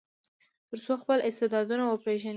تر څو خپل استعدادونه وپیژني.